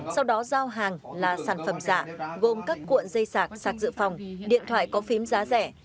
sau đó giao hàng là sản phẩm giả gồm các cuộn dây sạc sạc dự phòng điện thoại có phím giá rẻ